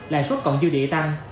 lãi suất còn dư địa tăng